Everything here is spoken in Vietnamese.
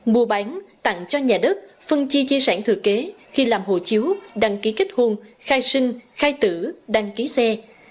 mua bán tặng cho nhà đất phân chi chi sản thừa kế khi làm hồ chiếu đăng ký kết hôn khai sinh khai tử đăng ký xe